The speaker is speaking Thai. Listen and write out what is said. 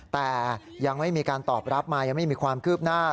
แต่ยังไม่มีการตอบรับมายังไม่มีความคืบหน้า